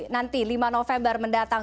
nanti lima november mendatang